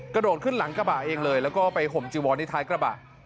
กระโดดขึ้นหลังกระบะเองเลยแล้วก็ไปห่มจีวอนที่ท้ายกระบะ